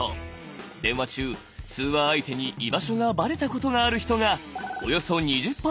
電話中通話相手に居場所がバレたことがある人がおよそ２０％。